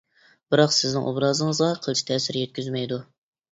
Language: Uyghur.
بىراق سىزنىڭ ئوبرازىڭىزغا قىلچە تەسىر يەتكۈزمەيدۇ.